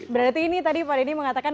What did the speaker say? berarti ini tadi pak denny mengatakan